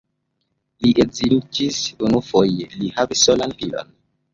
Li edziĝis unufoje, li havis solan filon.